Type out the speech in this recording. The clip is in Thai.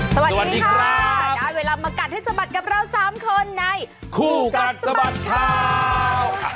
สวัสดีค่ะได้เวลามากัดให้สะบัดกับเรา๓คนในคู่กัดสะบัดข่าวค่ะ